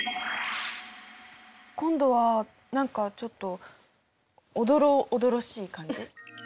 今度は何かちょっとおどろおどろしい感じ。